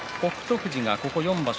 富士がここ４場所